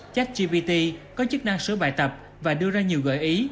chat gpt có chức năng sửa bài tập và đưa ra nhiều gợi ý